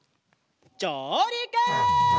じょうりく！